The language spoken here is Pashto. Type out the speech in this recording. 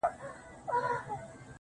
سیاه پوسي ده، ورته ولاړ یم